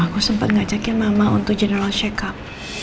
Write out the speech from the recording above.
aku sempat ngajakin mama untuk general check up